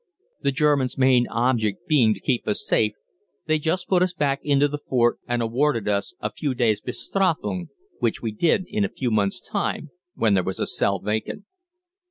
The Germans' main object being to keep us safe, they just put us back into the fort and awarded us a few days' Bestrafung, which we did in a few months' time when there was a cell vacant.